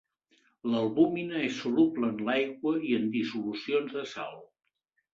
L'albúmina és soluble en l'aigua i en dissolucions de sal.